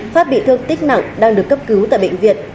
pháp bị thương tích nặng đang được cấp cứu tại bệnh viện